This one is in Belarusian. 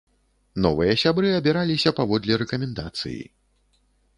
Новыя сябры абіраліся паводле рэкамендацыі.